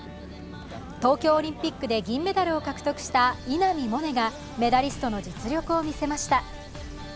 東京オリンピックで銀メダルを獲得した稲見萌寧がメダリストの実力を見せました。